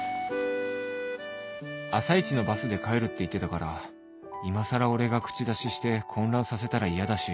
朝一のバスで帰るって言ってたからいまさら俺が口出しして混乱させたら嫌だし